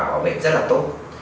quả bệnh rất là tốt